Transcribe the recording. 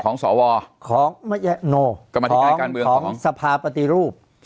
ของของสภาปฎิรูป